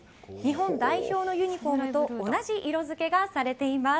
日本代表のユニホームと同じ色付けがされています。